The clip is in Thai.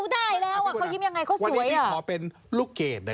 วันนี้พี่ทอเป็นลูกเกด